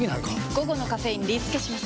午後のカフェインリスケします！